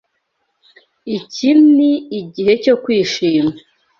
Iki ni igihe cyo kwishima.